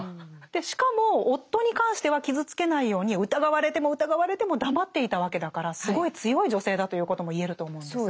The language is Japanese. しかも夫に関しては傷つけないように疑われても疑われても黙っていたわけだからすごい強い女性だということも言えると思うんですが。